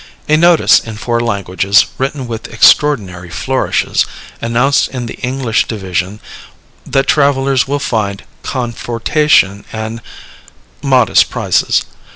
A notice in four languages, written with extraordinary flourishes, announced in the English division that travellers will find "confortation and modest prices."